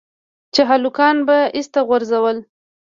چې هلکانو به ايسته غورځول.